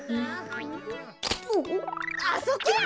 あそこや！